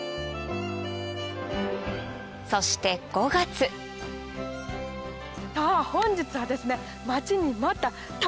そして５月さぁ本日はですね。